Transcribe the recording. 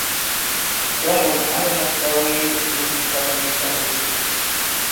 Lɔ̌ŋgòn ǎ nūmus ɓawee ìwu di ŋ̀ka mu yiksa mbus.